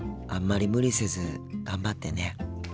あんまり無理せず頑張ってね。